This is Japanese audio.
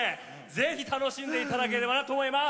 ぜひ楽しんで頂ければと思います。